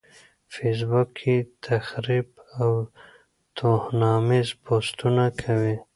فېس بوک کې تخريب او توهيناميز پوسټونه کوي.